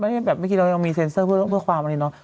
ผมเหมือนแบบได้กริกเรายังมีเซ็นเซอร์เพื่อความไอ้้นนะ